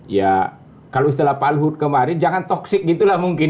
ya kalau istilah pak luhut kemarin jangan toxic gitu lah mungkin